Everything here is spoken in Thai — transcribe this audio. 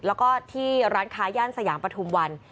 แล้วก็ที่ร้านค้าย่านสยามปฐุมวัน